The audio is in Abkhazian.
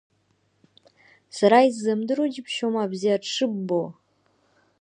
Сара исзымдыруа џьыбшьома бзиа дшыббо?!